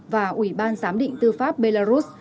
và ủy ban giám định tư pháp belarus